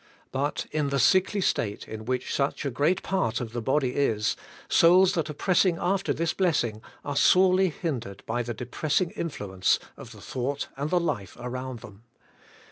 But in the sickly state in which such a great part of tile body is, souls that are pressing after this blessing are sorely hindered by the depressing influence of the thought and the life around them.